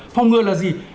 phòng ngừa là gì